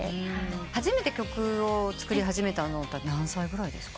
初めて曲を作り始めたのって何歳ぐらいですか？